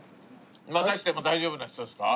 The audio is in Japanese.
待たせても大丈夫な人ですか？